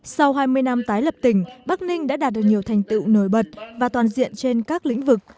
sau hai mươi năm tái lập tỉnh bắc ninh đã đạt được nhiều thành tựu nổi bật và toàn diện trên các lĩnh vực